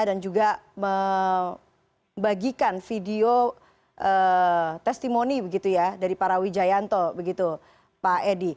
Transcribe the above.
dan juga membagikan video testimoni begitu ya dari para wijayanto begitu pak edi